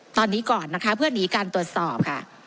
ตอนนี้ก่อนนะคะเพื่อหนีการตรวจสอบค่ะ